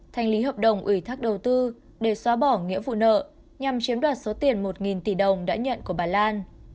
thành lý hợp đồng ủy thác đầu tư để xóa bỏ nghĩa vụ nợ nhằm chiếm đoạt số tiền một tỷ đồng đã nhận của bà lan